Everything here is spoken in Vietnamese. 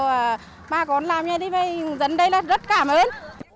và bà con làm như thế này dân đây là rất cảm ơn